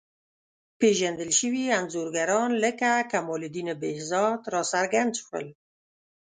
پېژندل شوي انځورګران لکه کمال الدین بهزاد راڅرګند شول.